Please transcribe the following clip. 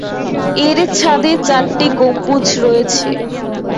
এর ছাদে চারটি গম্বুজ রয়েছে।